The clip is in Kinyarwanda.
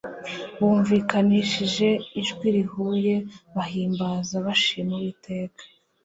bumvikanishije ijwi rihuye bahimbaza bashima uwiteka